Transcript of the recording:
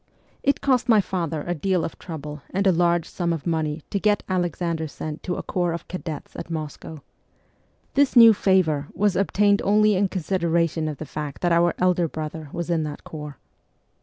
It cost my father a deal of trouble and a large sum of money to get Alexander sent to a corps of cadets at Moscow. This new ' favour ' was obtained only in consideration of the fact that our elder brother was in that corps.